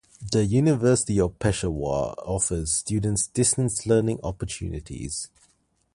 The University of Peshawar offers students distance learning opportunities.